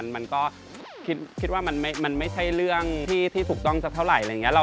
มันก็คิดว่ามันไม่ใช่เรื่องที่ถูกต้องเท่าไหร่